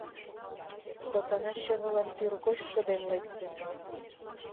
Сотана чывылан тӱргоч шыдем лекте.